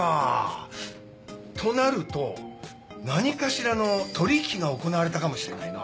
となると何かしらの取引が行われたかもしれないな。